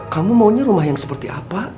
kamu maunya rumah yang seperti apa